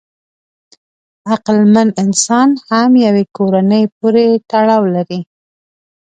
عقلمن انسان هم یوې کورنۍ پورې تړاو لري.